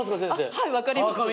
はい分かります。